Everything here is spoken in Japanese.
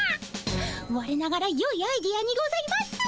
われながらよいアイデアにございます。